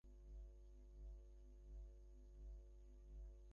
জগমোহন বলিলেন, মেয়েটিকে এখনই লইয়া এসো।